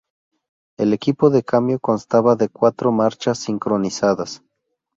El equipo de cambio constaba de cuatro marchas sincronizadas.